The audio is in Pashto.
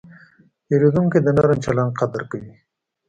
پیرودونکی د نرم چلند قدر کوي.